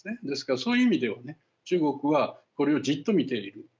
ですからそういう意味ではね中国はこれをじっと見ている。